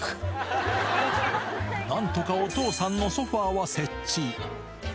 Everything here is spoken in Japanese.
なんとかお父さんのソファは設置。